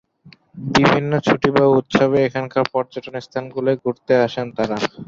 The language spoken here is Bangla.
বিভিন্ন ছুটি বা উৎসবে এখানকার পর্যটন স্থানগুলোয় ঘুরতে আসেন তারা।